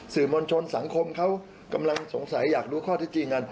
สื่อมวลชนสังคมเขากำลังสงสัยอยากรู้ข้อที่จริงกัน